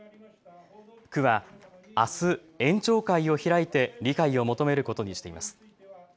区はあす園長会を開いて理解を求めることにしています。